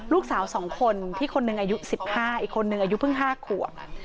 ลูกสาวสองคนที่คนหนึ่งอายุสิบห้าอีกคนหนึ่งอายุเพิ่งห้าขัว